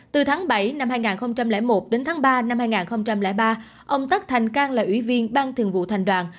từ tháng bảy năm hai nghìn một đến tháng ba năm hai nghìn ba ông tất thành cang là ủy viên ban thường vụ thành đoàn